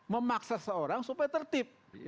memaksa seorang supaya tertib